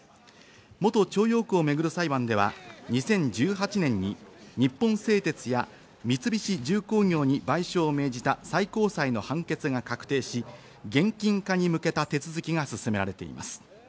元徴用工をめぐる裁判では２０１８年に日本製鉄や三菱重工業に賠償を命じた、最高裁の判決が確定し、現金化に向けた手続きが進められています。